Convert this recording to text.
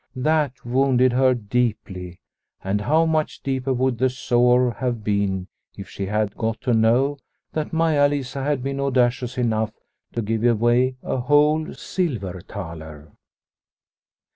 That wounded her deeply, and how much deeper would the sore have been if she had got to know that Maia Lisa had been audacious enough to give away a whole silver thaler